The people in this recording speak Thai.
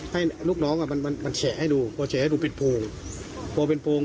ให้ลูกน้องอ่ะมันมันแฉะให้ดูพอแฉะให้ดูเป็นโพงพอเป็นโพง